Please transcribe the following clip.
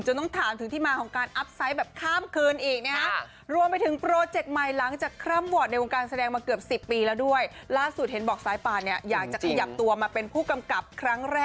ต้องถามถึงที่มาของการอัพไซต์แบบข้ามคืนอีกนะฮะ